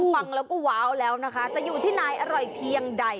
ฟังแล้วก็ว้าวแล้วนะคะจะอยู่ที่ไหนอร่อยเพียงใด